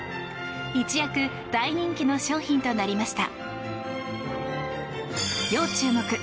一躍大人気の商品となりました。